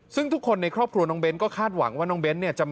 ซึ่งทุกคนในครอบครัวน้องเน้นก็คาดหวังว่าน้องเบ้นเนี่ย